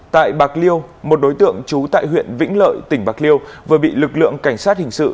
tại bạc liêu một đối tượng trú tại huyện vĩnh lợi tỉnh bạc liêu vừa bị lực lượng cảnh sát hình sự